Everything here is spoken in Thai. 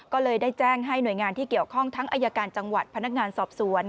ก็เลยได้แจ้งให้หน่วยงานที่เกี่ยวข้องทั้งอายการจังหวัดพนักงานสอบสวน